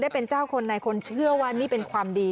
เป็นเจ้าคนในคนเชื่อว่านี่เป็นความดี